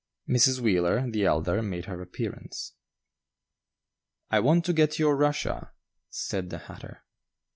Mrs. Wheeler, the elder, made her appearance. "I want to get your Russia," said the hatter. Mrs.